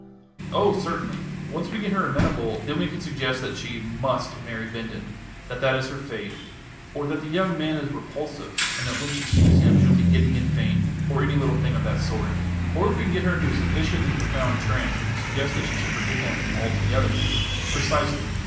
"Oh, certainly! Once we get her amenable, then we can suggest that she must marry Bindon that that is her fate; or that the young man is repulsive, and that when she sees him she will be giddy and faint, or any little thing of that sort. Or if we can get her into a sufficiently profound trance we can suggest that she should forget him altogether " "Precisely."